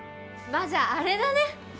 まあじゃああれだね。